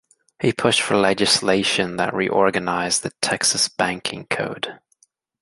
He pushed for legislation that reorganized the Texas Banking Code.